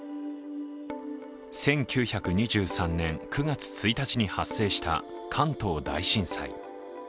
１９２３年９月１日に発生した関東大震災。